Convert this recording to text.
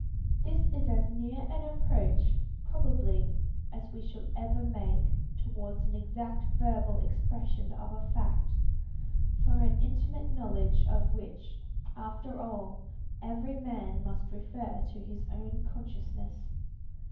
This is as near an approach, probably, as we shall ever make, towards an exact verbal expression of a fact, for an intimate knowledge of which, after all, every man must refer to his own consciousness.